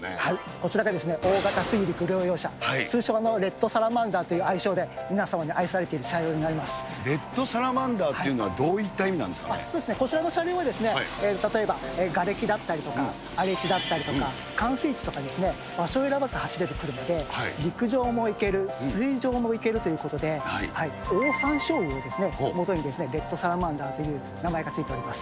こちらが大型水陸両用車、通称のレッドサラマンダーという愛称で、皆様に愛されている車両レッドサラマンダーというのそうですね、こちらの車両はですね、例えばがれきだったりとか、荒れ地だったりとか、冠水地とかですね、場所を選ばず、走れる車で、陸上も行ける、水上も行けるということで、オオサンショウウオをもとにですね、レッドサラマンダーという名前がついております。